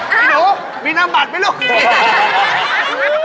หนูมีนามบัตรไม่เห็น